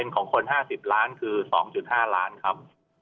ของคน๕๐ล้านคือ๒๕ล้านครับ